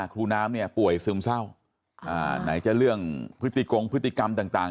ครูน้ำเนี่ยป่วยซึมเศร้าไหนจะเรื่องพฤติกงพฤติกรรมต่าง